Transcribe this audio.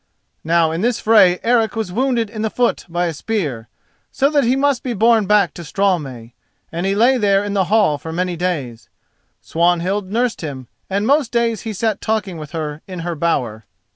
Now in this fray Eric was wounded in the foot by a spear, so that he must be borne back to Straumey, and he lay there in the hall for many days. Swanhild nursed him, and most days he sat talking with her in her bower.